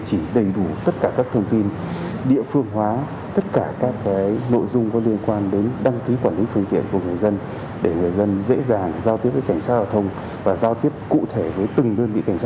của từng điểm đăng ký xe trên toàn quốc